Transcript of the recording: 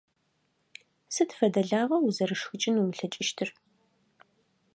Сыд фэдэ лагъа узэрышхыкӀын умылъэкӀыщтыр?